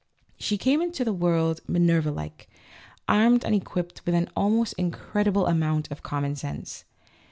She came into the world, Minerva like, armed and equipped with an almost incredible amount of common sense.